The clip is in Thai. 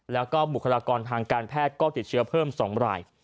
แล้วก็บุคลากรทางการแพทย์ก็ติดเชื้อเพิ่ม๒ราย